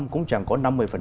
cũng chẳng có năm mươi